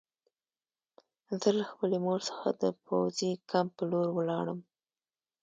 زه له خپلې مور څخه د پوځي کمپ په لور لاړم